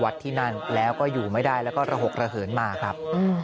ที่นั่นแล้วก็อยู่ไม่ได้แล้วก็ระหกระเหินมาครับ